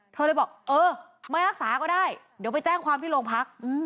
เธอเลยบอกเออไม่รักษาก็ได้เดี๋ยวไปแจ้งความที่โรงพัก